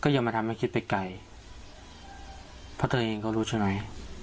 อย่ามาทำให้คิดไปไกลเพราะเธอเองก็รู้ใช่ไหม